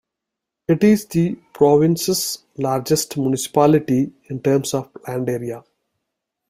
It is the province's largest municipality in terms of land area.